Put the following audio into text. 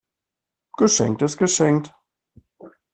Geschenkt ist geschenkt.